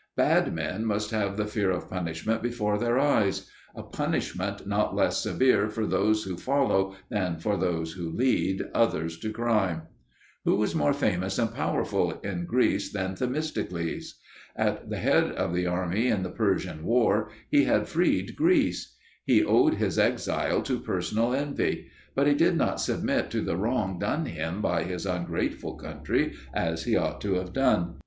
Bad men must have the fear of punishment before their eyes: a punishment not less severe for those who follow than for those who lead others to crime. Who was more famous and powerful in Greece than Themistocles? At the head of the army in the Persian war he had freed Greece; he owed his exile to personal envy: but he did not submit to the wrong done him by his ungrateful country as he ought to have done.